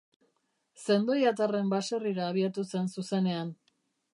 Zendoiatarren baserrira abiatu zen zuzenean.